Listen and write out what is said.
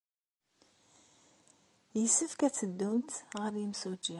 Yessefk ad teddumt ɣer yemsujji.